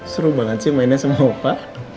seru banget sih mainnya sama opa